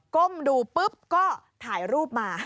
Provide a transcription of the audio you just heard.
ก้มดูปุ๊บก็ถ่ายรูปมา